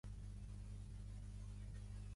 A poc a poc, es fan molt amics.